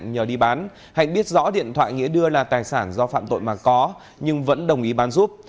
nhờ đi bán hạnh biết rõ điện thoại nghĩa đưa là tài sản do phạm tội mà có nhưng vẫn đồng ý bán giúp